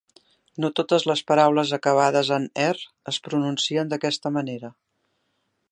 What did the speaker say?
No totes les paraules acabades en "er" es pronuncien d'aquesta manera.